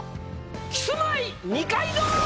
キスマイ・二階堂！